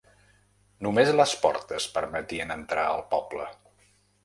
Només les portes permetien entrar al poble.